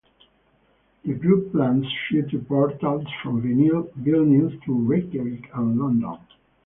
The group plans future portals from Vilnius to Reykjavik and London.